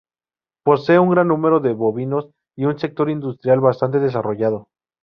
Posee un gran número de bovinos y un sector industrial bastante desarrollado.